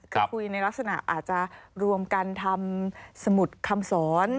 คือคุยในลักษณะอาจจะรวมกันทำสมุดคำสอน